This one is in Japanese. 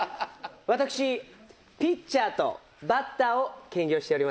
私ピッチャーとバッターを兼業しております。